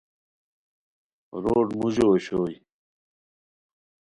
روڈ موڑو اوشوئے